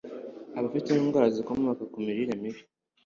abafite indwara zikomoka ku mirire mibi